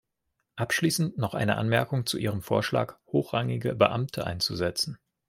Abschließend noch eine Anmerkung zu Ihrem Vorschlag, hochrangige Beamte einzusetzen.